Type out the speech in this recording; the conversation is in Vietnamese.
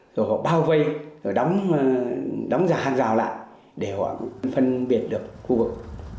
rồi họ bao vây rồi đóng giả hàng rào lại để họ phân biệt được khu vực